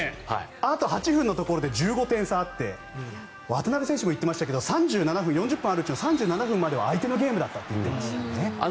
あと８分のところで１５点差あって渡邊選手も言ってましたけど４０分あるうちの３７分までは相手のゲームだったと言ってましたよね。